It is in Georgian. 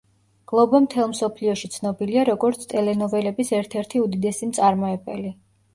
გლობო მთელ მსოფლიოში ცნობილია როგორც ტელენოველების ერთ-ერთი უდიდესი მწარმოებელი.